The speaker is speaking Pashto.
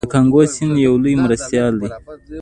د کانګو سیند یو لوی مرستیال دی.